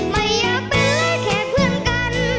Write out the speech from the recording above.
ไม่อยากเป็นแค่เพื่อนกัน